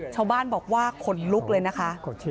ชาวบ้านบอกว่าขนลุกเลยนะคะ